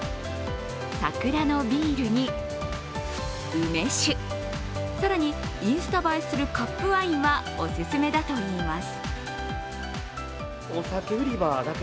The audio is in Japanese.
桜のビールに梅酒、更に、インスタ映えするカップワインはオススメだといいます。